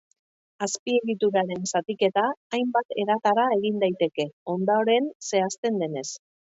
Azpiegituraren zatiketa hainbat eratara egin daiteke, ondoren zehazten denez.